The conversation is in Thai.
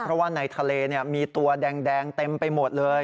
เพราะว่าในทะเลมีตัวแดงเต็มไปหมดเลย